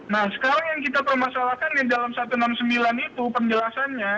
nah sekarang yang kita permasalahkan di dalam satu ratus enam puluh sembilan itu penjelasannya